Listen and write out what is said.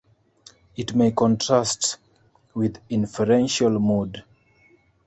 It may contrast with inferential mood.